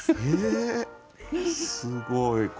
えすごい。